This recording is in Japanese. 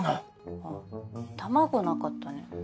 あっ卵なかったね。